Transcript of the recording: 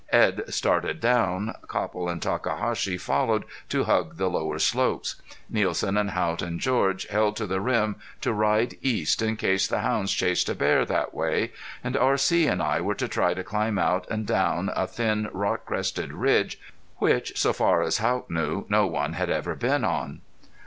Edd started down. Copple and Takahashi followed to hug the lower slopes. Nielsen and Haught and George held to the rim to ride east in case the hounds chased a bear that way. And R.C. and I were to try to climb out and down a thin rock crested ridge which, so far as Haught knew, no one had ever been on.